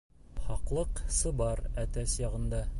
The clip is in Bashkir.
Хаҡлыҡ сыбар әтәс яғында.